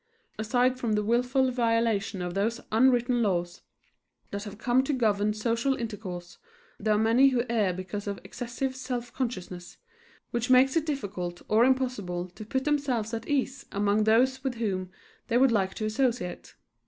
Aside from the willful violation of those unwritten laws that have come to govern social intercourse, there are many who err because of excessive self consciousness, which makes it difficult or impossible to put themselves at ease among those with whom they would like to associate.